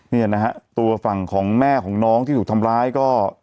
เนี่ยนะฮะตัวฝั่งของแม่ของน้องที่ถูกทำร้ายก็